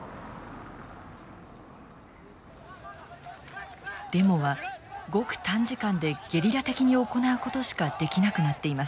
デモはごく短時間でゲリラ的に行うことしかできなくなっています。